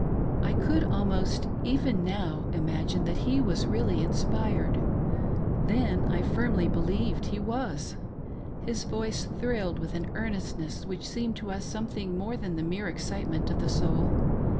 I could almost, even now, imagine that he was "really inspired. Then I firmly believed he was. His voice thrilled with an earnestness which seemed to us something more than the mere excite ment of the soul.